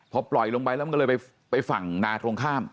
พอปล่อยลงไปแล้วมันก็เลยไปฝั่งนาตรงข้าม